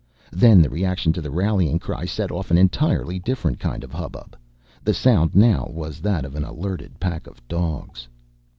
Then the reaction to the rallying cry set off an entirely different kind of hubbub. The sound now was that of an alerted pack of dogs.